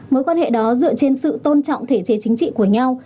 mối quan hệ đó dựa trên sự tôn trọng thể chế chính trị của nhau